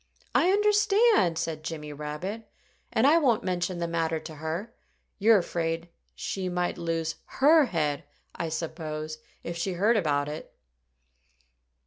"I understand!" said Jimmy Rabbit. "And I won't mention the matter to her. You're afraid she might lose her head, I suppose, if she heard about it."